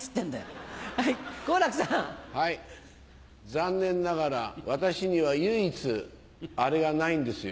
残念ながら私には唯一アレがないんですよ。